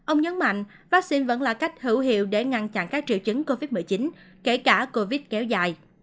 ông nhấn mạnh vaccine vẫn là cách hữu hiệu để ngăn chặn các triệu chứng covid một mươi chín kể cả covid kéo dài